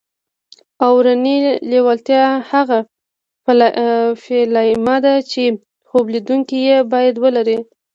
اورنۍ لېوالتیا هغه پیلامه ده چې خوب لیدونکي یې باید ولري